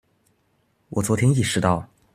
我昨天意識到